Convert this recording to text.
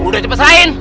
eh udah cepet sain